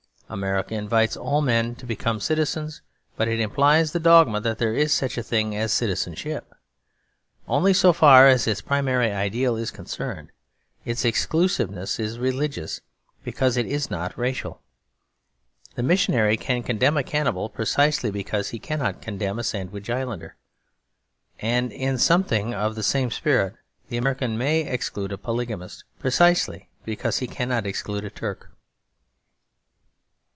America invites all men to become citizens; but it implies the dogma that there is such a thing as citizenship. Only, so far as its primary ideal is concerned, its exclusiveness is religious because it is not racial. The missionary can condemn a cannibal, precisely because he cannot condemn a Sandwich Islander. And in something of the same spirit the American may exclude a polygamist, precisely because he cannot exclude a Turk.